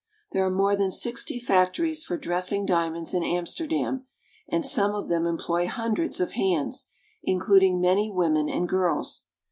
There are more than sixty fac tories for dressing diamonds in Amsterdam, and some of them employ hundreds of hands, including many women and girls.